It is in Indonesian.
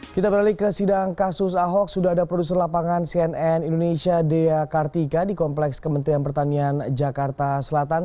kita beralih ke sidang kasus ahok sudah ada produser lapangan cnn indonesia dea kartika di kompleks kementerian pertanian jakarta selatan